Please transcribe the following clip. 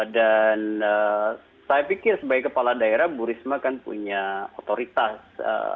dan saya pikir sebagai kepala daerah bu risma kan punya otoritas